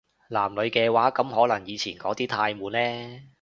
男女嘅話，噉可能以前嗰啲太悶呢